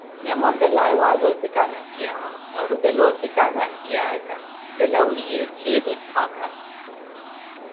Nyama onttelaawe waaza osikana ti yaawo, noorutela osikana kiina ti yaaka, enttela wiiya ettipi mpakha.